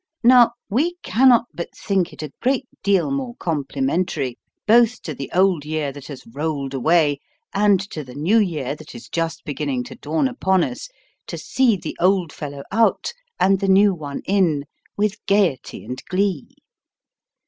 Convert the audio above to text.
Now, wo cannot but think it a great deal more complimentary, both to the old year that has rolled away, and to the New Year that is just beginning to dawn upon us, to see the old fellow out> and the new one in, with gaiety and glee.